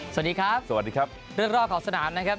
สวัสดีครับสวัสดีครับเรื่องรอบของสนามนะครับ